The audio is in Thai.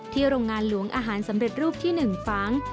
โรงงานหลวงอาหารสำเร็จรูปที่๑ฝัง